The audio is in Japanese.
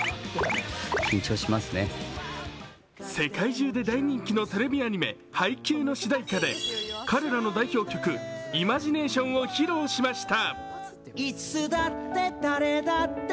世界中で大人気のテレビアニメ「ハイキュー！！」で彼らの代表曲「イマジネーション」を披露しました。